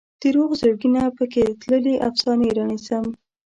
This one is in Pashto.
د روغ زړګي نه پکې تللې افسانې رانیسم